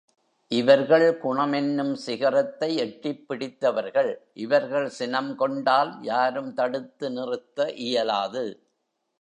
இவர்கள் குணம் என்னும் சிகரத்தை எட்டிப் பிடித்தவர்கள் இவர்கள் சினம் கொண்டால் யாரும் தடுத்து நிறுத்த இயலாது.